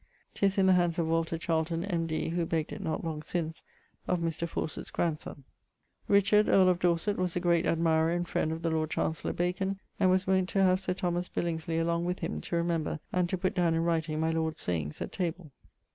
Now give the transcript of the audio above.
'Tis in the hands of Walter Charlton, M.D., who begged it not long since of Mr. Faucet's grandsonne. * Richard, earle of Dorset, was a great admirer and friend of the lord chancellor Bacon, and was wont to have Sir Thomas Billingsley along with him to remember and to putt down in writing my lord's sayings at table.